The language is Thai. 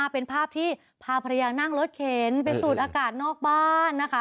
เป็นภาพที่พาภรรยานั่งรถเข็นไปสูดอากาศนอกบ้านนะคะ